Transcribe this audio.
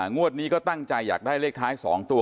งวดนี้ก็ตั้งใจอยากได้เลขท้าย๒ตัว